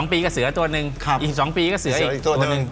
ปีก็เสือตัวหนึ่งอีก๒ปีก็เสืออีกตัวหนึ่ง